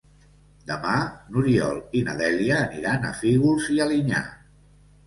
Demà n'Oriol i na Dèlia aniran a Fígols i Alinyà.